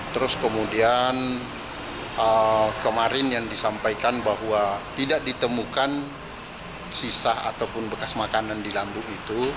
terus kemudian kemarin yang disampaikan bahwa tidak ditemukan sisa ataupun bekas makanan di lambung itu